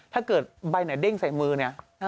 ถ้าเกิดใบไหนเด้งใส่มือเนี่ย